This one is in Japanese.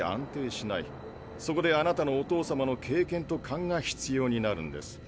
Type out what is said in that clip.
そこであなたのお父様の経験とカンが必要になるんです。